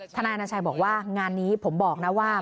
นายอนาชัยบอกว่างานนี้ผมบอกนะว่า